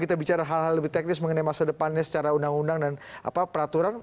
kita bicara hal hal lebih teknis mengenai masa depannya secara undang undang dan peraturan